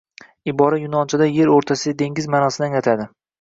Ibora yunonchada er oʻrtasidagi dengiz maʼnosini anglatadi